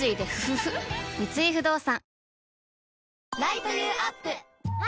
三井不動産あ！